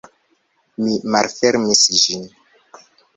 Mi malfermis ĝin.